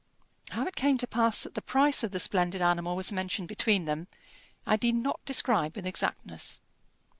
How it came to pass that the price of the splendid animal was mentioned between them, I need not describe with exactness.